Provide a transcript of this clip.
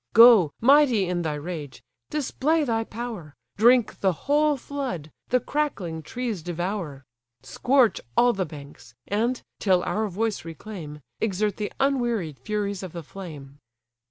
Go, mighty in thy rage! display thy power, Drink the whole flood, the crackling trees devour. Scorch all the banks! and (till our voice reclaim) Exert the unwearied furies of the flame!"